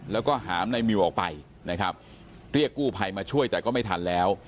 แล้วก็หามในมิวออกไปนะครับเรียกกู้ภัยมาช่วยแต่ก็ไม่ทันแล้ว